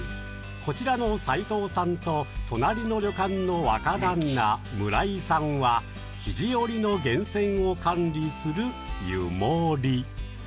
こちらの斉藤さんと隣の旅館の若旦那、村井さんは肘折の源泉を管理する湯守。